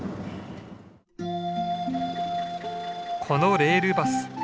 このレールバス